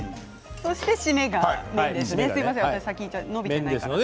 そして締めが、麺ですね。